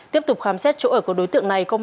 tiếp tục khám xét chỗ ở của đối tượng này